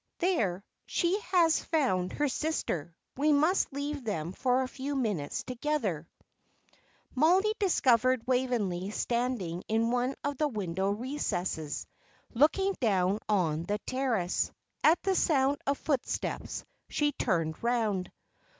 There, she has found her sister; we must leave them for a few minutes together." Mollie discovered Waveney standing in one of the window recesses, looking down on the terrace. At the sound of footsteps, she turned round.